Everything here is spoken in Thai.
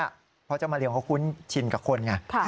เพราะเจ้ามะเรียงเขาคุ้นชินกับคนไง